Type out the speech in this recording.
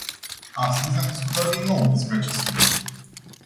Astăzi am discutat din nou despre acest subiect.